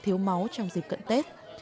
thiếu máu trong dịp cận tết